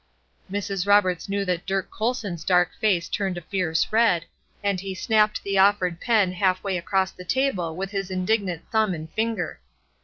Mrs. Roberts knew that Dirk Colson's dark face turned a fierce red, and he snapped the offered pen half way across the table with his indignant thumb and finger.